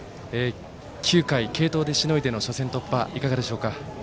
９回、継投でしのいでの初戦突破いかがでしょうか？